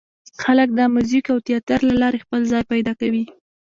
خلک د موزیک او تیاتر له لارې خپل ځای پیدا کوي.